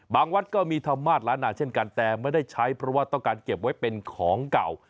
วัดก็มีธรรมาสล้านนาเช่นกันแต่ไม่ได้ใช้เพราะว่าต้องการเก็บไว้เป็นของเก่า